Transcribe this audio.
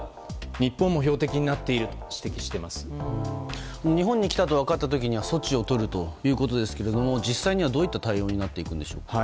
日本に来たと分かったときは措置をとるということですが実際にはどういった対応になっていくんでしょう。